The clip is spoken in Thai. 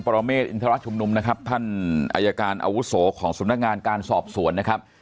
รเมฆอินทรชุมนุมนะครับท่านอายการอาวุโสของสำนักงานการสอบสวนนะครับ